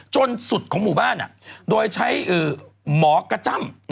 จนสุดของหมู่บ้านโดยใช้หมอกระจ้ำ